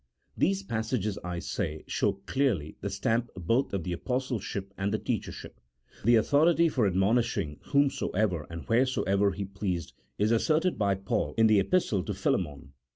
These passages, I say, show clearly the stamp both of the apostleship and the teachership : the authority for admonishing whomsoever and wheresoever he pleased is asserted by Paul in the Epistle to Philemon, v.